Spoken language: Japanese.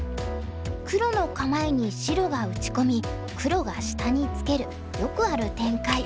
黒の構えに白が打ち込み黒が下にツケるよくある展開。